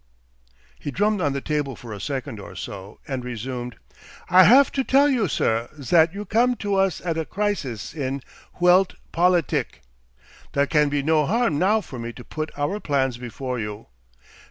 He drummed on the table for a second or so, and resumed. "I haf to tell you, sir, zat you come to us at a crisis in Welt Politik. There can be no harm now for me to put our plans before you.